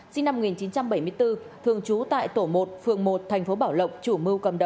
sinh năm một nghìn chín trăm bảy mươi bốn thường trú tại tổ một phường một thành phố bảo lộc chủ mưu cầm đầu